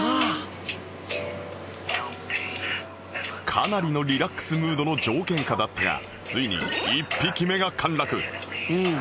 かなりのリラックスムードの条件下だったがついに１匹目が陥落